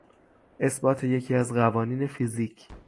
اثبات یکی از قوانین فیزیک